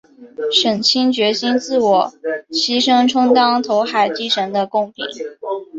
沈清决心作自我牺牲充当投海祭神的供品。